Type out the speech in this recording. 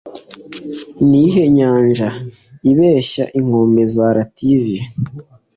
Niyihe nyanja ibeshya inkombe za Lativiya